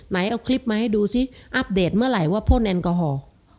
ไหนเอาคลิปมาให้ดูสิอัปเดตเมื่อไหร่ว่าพ่นแอลกอฮอล์